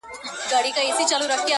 هغه ياغي شاعر له دواړو خواو لمر ویني چي